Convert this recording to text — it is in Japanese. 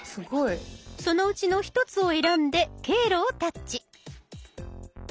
そのうちの１つを選んで「経路」をタッチ。